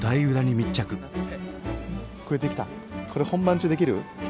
これ本番中できる？